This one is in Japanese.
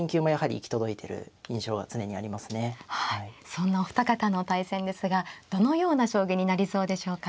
そんなお二方の対戦ですがどのような将棋になりそうでしょうか。